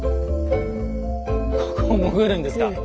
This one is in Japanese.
ここを潜るんですか？